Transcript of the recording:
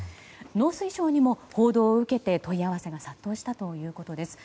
農水省にも報道を受けて問い合わせが殺到したということです。